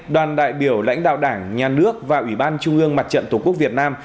đoàn đại biểu lãnh đạo đảng nhà nước và ủy ban trung ương mặt trận tổ quốc việt nam